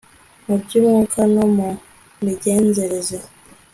mu by'umwuka no mu migenzereze